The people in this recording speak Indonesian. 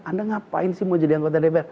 anda ngapain sih mau jadi anggota dpr